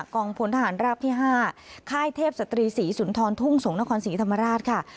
งพลทหารราบที่๕ค่ายเทพศตรีศรีสุนทรทุ่งสงศ์นครศรีธรรมราชค่ะ